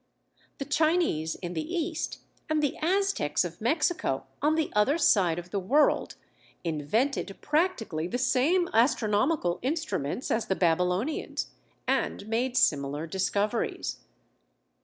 The Chinese in the East and the Aztecs of Mexico, on the other side of the world, invented practically the same astronomical instruments as the Babylonians and made similar discoveries.